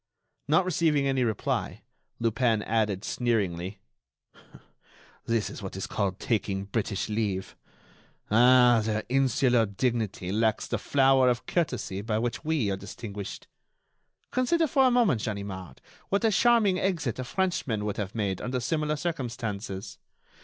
Not receiving any reply, Lupin added, sneeringly: "That is what is called 'taking British leave.' Ah! their insular dignity lacks the flower of courtesy by which we are distinguished. Consider for a moment, Ganimard, what a charming exit a Frenchman would have made under similar circumstances!